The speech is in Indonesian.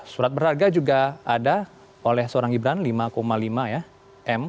surat berharga juga ada oleh seorang gibran lima lima ya m